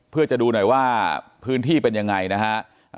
เพื่อจะดูหน่อยว่าพื้นที่เป็นยังไงนะฮะ